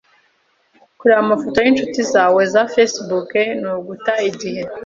Kureba amafoto yinshuti zawe za Facebook ni uguta igihe.